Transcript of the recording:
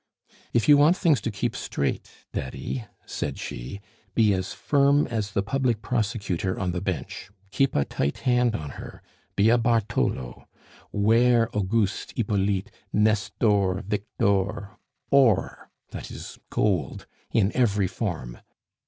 "If you want things to keep straight, Daddy," said she, "be as firm as the Public Prosecutor on the bench. Keep a tight hand on her, be a Bartholo! Ware Auguste, Hippolyte, Nestor, Victor or, that is gold, in every form.